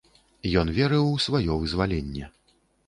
Ён верыў у сваё вызваленне.